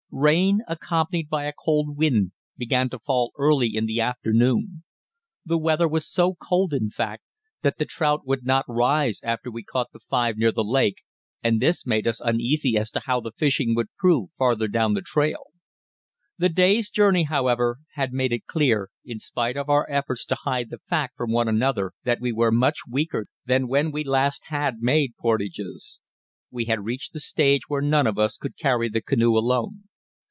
Rain, accompanied by a cold wind, began to fall early in the afternoon. The weather was so cold, in fact, that the trout would not rise after we caught the five near the lake, and this made us uneasy as to how the fishing would prove farther down the trail. The day's journey, moreover, had made it clear, in spite of our efforts to hide the fact from one another, that we were much weaker than when we last had made portages. We had reached the stage where none of us could carry the canoe alone.